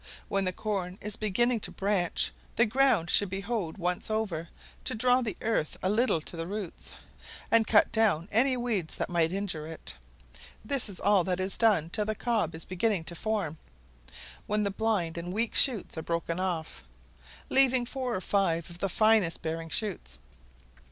When the corn is beginning to branch, the ground should be hoed once over, to draw the earth a little to the roots, and cut down any weeds that might injure it. This is all that is done till the cob is beginning to form, when the blind and weak shoots are broken off, leaving four or five of the finest bearing shoots.